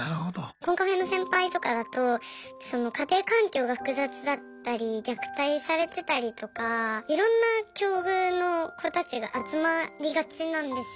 コンカフェの先輩とかだと家庭環境が複雑だったり虐待されてたりとかいろんな境遇の子たちが集まりがちなんですよ。